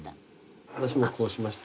私もこうしました。